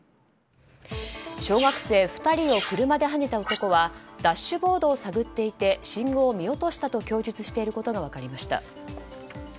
小学生２人を車ではねた男はダッシュボードを探っていて信号を見落としたと供述していることが分かりました。